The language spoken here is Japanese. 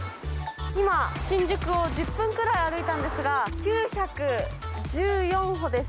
今、新宿を１０分くらい歩いたんですが、９１４歩です。